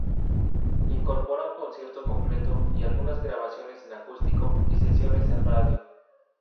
Incorpora un concierto completo y algunas grabaciones en acústico y sesiones en radio.